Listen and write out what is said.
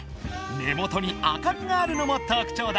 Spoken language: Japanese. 根元に赤みがあるのも特ちょうだ。